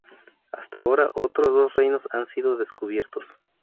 Hasta ahora, otros dos reinos han sido descubiertos.